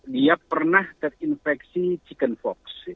dia pernah terinfeksi chicken fox